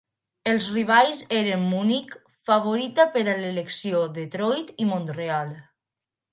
Els rivals eren Munic —favorita per a l'elecció—, Detroit i Mont-real.